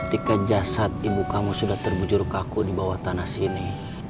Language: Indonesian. ketika jasad ibu kamu sudah terbujur kaku di bawah tanah sini